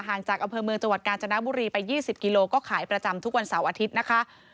จากอำเภอเมืองจังหวัดกาญจนบุรีไป๒๐กิโลก็ขายประจำทุกวันเสาร์อาทิตย์นะคะ